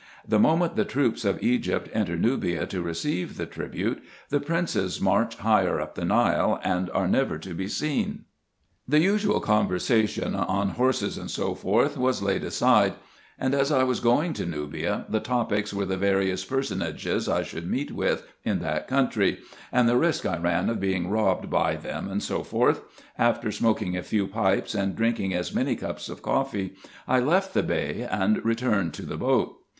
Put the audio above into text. The moment the troops of Egypt enter Nubia to receive the tribute, the princes march higher up the Nile, and are never to be seen. The usual conversation on horses, &c. was laid aside ; and, as I was going to Nubia, the topics were the various personages I should meet with in that country, and the risk I ran of being robbed by 56 RESEARCHES AND OPERATIONS them, &c. After smoking a few pipes, and drinking as many cups of coffee, I left the Bey, and returned to the boat.